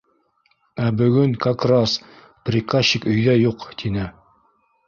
Ә бөгөн, как раз, приказчик өйҙә юҡ, — тине.